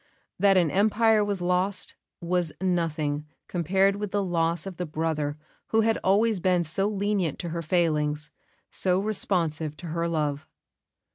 That an empire was lost, was nothing compared with the loss of the brother who had always been so lenient to her failings, so responsive to her love.